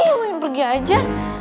ihh mau pergi aja